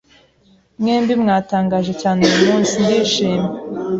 Mwembi mwatangaje cyane uyumunsi. Ndishimye.